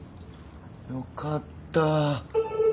よかった。